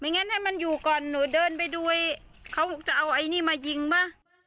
งั้นให้มันอยู่ก่อนหนูเดินไปดูเขาบอกจะเอาไอ้นี่มายิงป่ะ